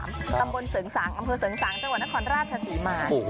อำตุศึกสาหงเฉพาะนครราชศาสตรีม่าน